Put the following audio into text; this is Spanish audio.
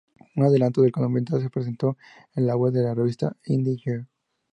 Un adelanto del documental se presentó en la web de la revista Indie-Eye.